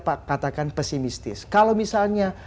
pak katakan pesimistis kalau misalnya